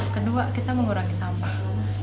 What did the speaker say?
kedua kita mengurangi sampah